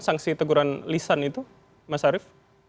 sanksi teguran lisan itu mas arief